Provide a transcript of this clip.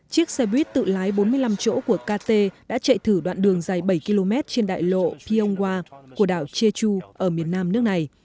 chiếc xe buýt tự lái bốn mươi năm chỗ của kt đã chạy thử đoạn đường dài bảy km trên đại lộ pyongwa của đảo jeju ở miền nam nước này